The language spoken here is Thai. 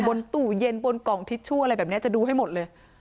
บนตู้เย็นบนกล่องทิชชู่อะไรแบบนี้จะดูให้หมดเลย